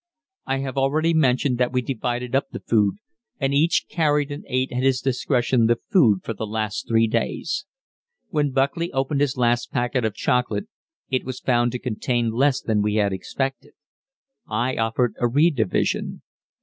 I have already mentioned that we divided up the food, and each carried and ate at his own discretion the food for the last three days. When Buckley opened his last packet of chocolate, it was found to contain less than we had expected. I offered a redivision.